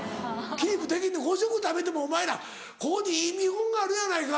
キープできんねん５食食べてもお前らここにいい見本があるやないかい。